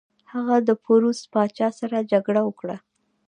هغه د پوروس پاچا سره جګړه وکړه.